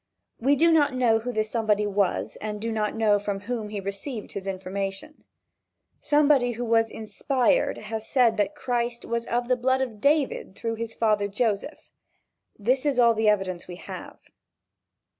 We do not know who this somebody was and do not know from whom he received his information. Somebody who was "inspired" has said that Christ was of the blood of David through his father Joseph. This is all the evidence we have.